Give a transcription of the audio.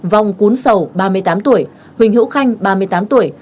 vong cún sầu ba mươi tám tuổi huỳnh hữu khanh ba mươi tám tuổi